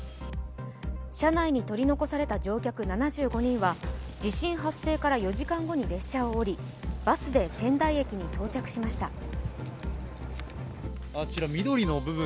車内に取り残された乗客７５人は地震発生から４時間後に列車を降りバスで仙台駅に到着しました。